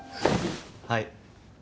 はい。